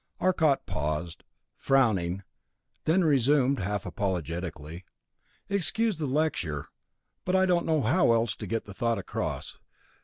Arcot paused, frowning, then resumed half apologetically, "Excuse the lecture but I don't know how else to get the thought across.